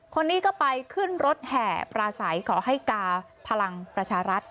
คนนี้ก็ไปขึ้นรถแห่ปราศัยขอให้กาพลังประชารัฐ